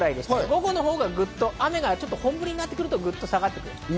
午後のほうが、ぐっと雨が本降りになってくると下がりそうです。